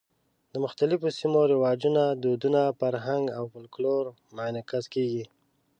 د مختلفو سیمو رواجونه، دودونه، فرهنګ او فولکلور منعکس کېږي.